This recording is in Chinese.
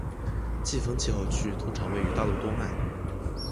季风气候区通常位于大陆东岸